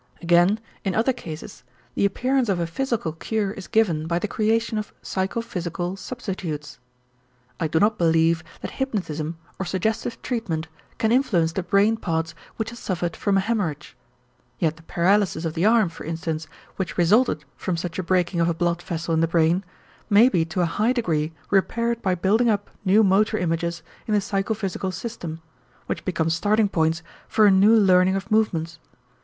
Again in other cases, the appearance of a physical cure is given by the creation of psychophysical substitutes. I do not believe that hypnotism or suggestive treatment can influence the brain parts which have suffered from a hemorrhage. Yet the paralysis of the arm, for instance, which resulted from such a breaking of a blood vessel in the brain may be to a high degree repaired by building up new motor images in the psychophysical system, which become starting points for a new learning of movements.